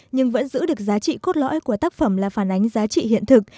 nhưng vẫn giữ được giá trị cốt lõi của tác phẩm là phản ánh giá trị hiện thực